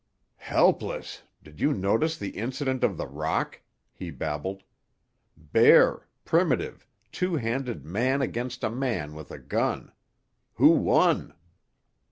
"Helpless! Did you notice the incident of the rock?" he babbled. "Bare, primitive, two handed man against a man with a gun. Who won?"